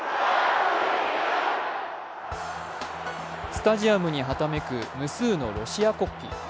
スタジアムにはためく無数のロシア国旗。